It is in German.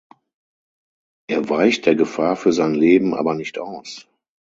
Er weicht der Gefahr für sein Leben aber nicht aus.